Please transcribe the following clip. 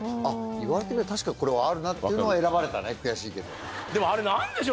言われてみれば確かにこれはあるなっていうのは選ばれたね悔しいけど。